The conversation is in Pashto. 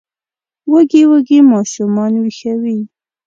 وږي وږي ماشومان ویښوي